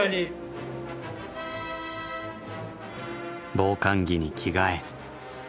防寒着に着替え。